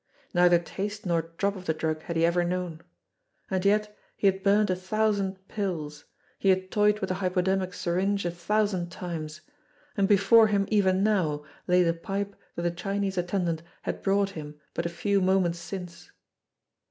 Neither taste nor drop of the drug had he ever known. And yet he had burned a thousand "pills," he had toyed with a hypodermic syringe a thousand times, and before him even now lay the pipe that the Chinese attendant had brought him but a few moments since